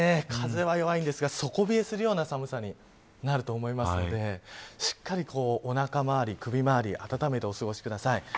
風は弱いんですが底冷えするような寒さになると思いますのでしっかり、おなか周り首周り温めてお過ごしください。